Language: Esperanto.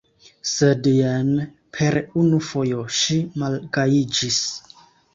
Sed jen per unu fojo ŝi malgajiĝis.